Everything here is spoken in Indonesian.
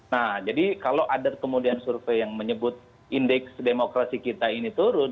nah jadi kalau ada kemudian survei yang menyebut indeks demokrasi kita ini turun